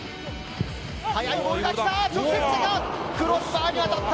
速いボールが来た。